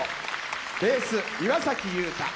ベース、岩崎悠太。